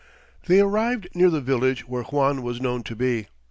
They arrived near the village where Juan was known to be.